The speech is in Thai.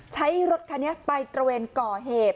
ใช้รถคันนี้ไปตระเวนก่อเหตุ